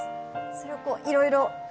それをいろいろ。